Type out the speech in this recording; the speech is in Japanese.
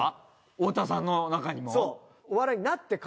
太田さんの中にも？